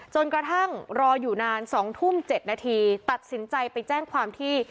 จนกระทั่งรออยู่นาน๒ทุ่ม๗นาทีตัดสินใจไปแจ้งความที่